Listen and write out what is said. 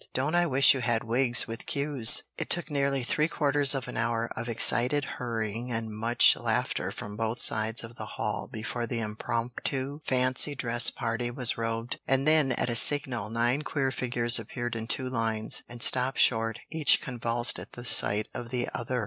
Don't I wish you had wigs with queues!" It took nearly three quarters of an hour of excited hurrying and much laughter from both sides of the hall before the impromptu fancy dress party was robed, and then at a signal nine queer figures appeared in two lines, and stopped short, each convulsed at the sight of the other.